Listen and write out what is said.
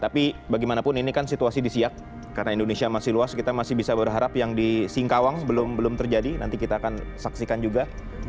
tapi bagaimanapun ini kan situasi disiak karena indonesia masih luas kita masih bisa berharap yang di singkawang belum terjadi nanti kita akan saksikan juga